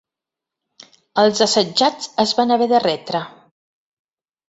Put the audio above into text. Els assetjats es van haver de retre.